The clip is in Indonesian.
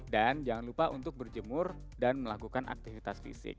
dan jangan lupa untuk berjemur dan melakukan aktivitas fisik